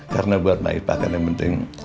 karena buat maipa kan yang penting